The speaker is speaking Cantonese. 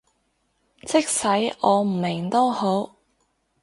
即使我唔明都好